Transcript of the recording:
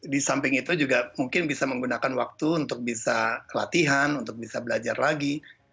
di samping itu juga mungkin bisa menggunakan waktu untuk bisa latihan untuk bisa belajar lagi